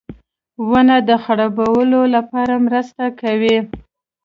• ونه د خړوبولو لپاره مرسته کوي.